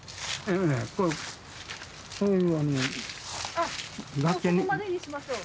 あっもうここまでにしましょう。